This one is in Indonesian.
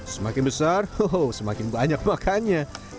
semakin besar hoho semakin banyak makannya